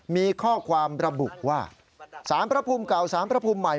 มีข้อความระบุว่าสารพระภูมิเก่าสารพระภูมิใหม่